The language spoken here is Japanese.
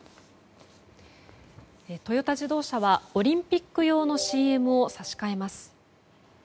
トヨタ自動車はオリンピック用のＣＭを差し替えます。